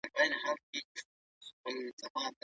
هلک د انا په وړاندې په فرش کښېناست او وخندل.